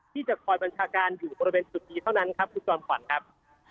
ที่จะคอยบัญชาการอยู่บริเวณจุดนี้เท่านั้นครับคุณจอมขวัญครับ